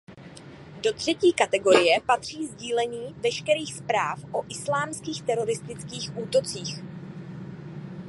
Do třetí kategorie patří sdílení veškerých zpráv o islámských teroristických útocích.